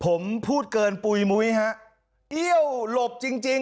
ผมพูดเกินปุ๋ยมุ้ยฮะเอี้ยวหลบจริงจริง